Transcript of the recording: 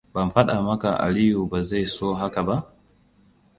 Ban fada maka Aliyu ba zai so haka ba?